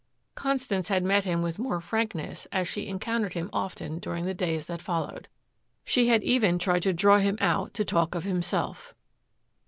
Constance had met him with more frankness as she encountered him often during the days that followed. She had even tried to draw him out to talk of himself.